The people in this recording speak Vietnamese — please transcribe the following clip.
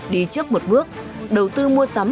đi trước một bước đầu tư mua sắm